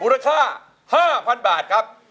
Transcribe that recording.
ราคา๕๐๐๐บาท